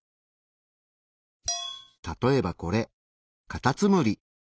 例えばこれカタツムリ。